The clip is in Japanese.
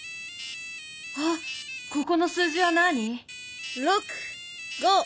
あっここの数字はなあに？